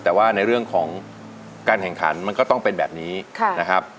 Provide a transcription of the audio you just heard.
แต่ว่าในเรื่องของการแข่งขันมันก็ต้องเป็นแบบนี้นะครับ